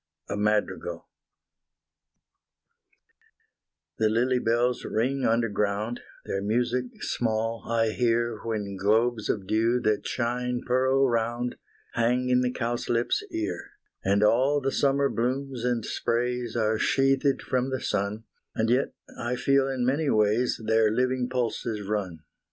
A MADRIGAL The lily bells ring underground, Their music small I hear When globes of dew that shine pearl round Hang in the cowslip's ear And all the summer blooms and sprays Are sheathed from the sun, And yet I feel in many ways Their living pulses run.